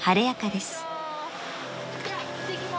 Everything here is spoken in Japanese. ではいってきます！